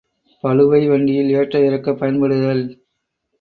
பளுவை வண்டியில் ஏற்ற இறக்கப் பயன்படுதல்.